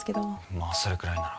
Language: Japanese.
まあそれくらいなら。